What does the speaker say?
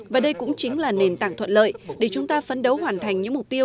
và đây cũng chính là nền tảng thuận lợi để chúng ta phấn đấu hoàn thành những mục tiêu